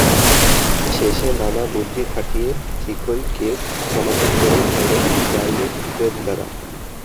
শেষে নানা বুদ্ধি খাটিয়ে ঠিকই কেস সমাধান করে ফেলেন প্রাইভেট গোয়েন্দারা।